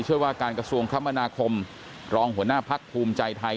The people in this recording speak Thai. ว่าการกระทรวงคมนาคมรองหัวหน้าพักภูมิใจไทย